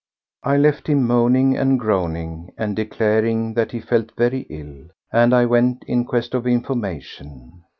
I left him moaning and groaning and declaring that he felt very ill, and I went in quest of information.